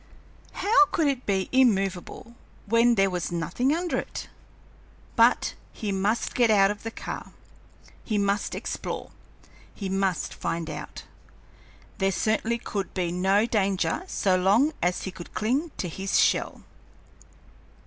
How could it be immovable when there was nothing under it? But he must get out of that car, he must explore, he must find out. There certainly could be no danger so long as he could cling to his shell.